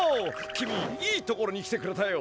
君いいところに来てくれたよ！